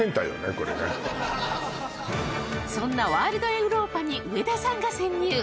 これねそんなワールドエウローパに上田さんが潜入